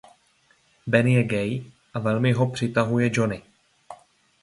Ben je gay a velmi ho přitahuje Johnny.